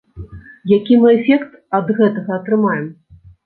Які мы эфект ад гэтага атрымаем?